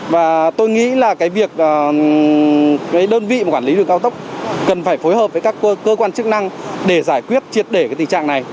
và tôi nghĩ là cái việc cái đơn vị quản lý đường cao tốc cần phải phối hợp với các cơ quan chức năng để giải quyết triệt để cái tình trạng này